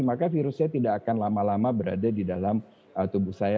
maka virusnya tidak akan lama lama berada di dalam tubuh saya